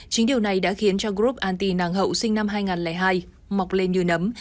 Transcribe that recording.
chính điều này đã khiến cho group anti nàng hậu sinh năm hai nghìn hai mọc lên như nấm